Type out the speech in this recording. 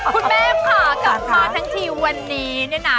คุณแม่ค่ะกลับมาทั้งทีวันนี้เนี่ยนะ